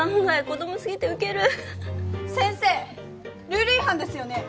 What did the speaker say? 子供すぎてウケる先生ルール違反ですよね？